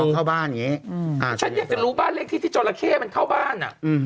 ฉันอยากจะรู้บ้านเล็กที่จอหละเข้มันเข้าบ้าน